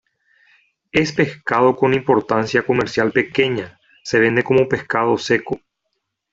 Es pescado con importancia comercial pequeña; se vende como pescado seco.